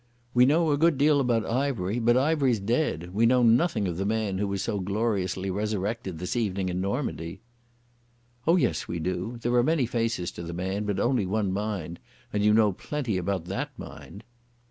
"We know a good deal about Ivery, but Ivery's dead. We know nothing of the man who was gloriously resurrected this evening in Normandy." "Oh, yes we do. There are many faces to the man, but only one mind, and you know plenty about that mind."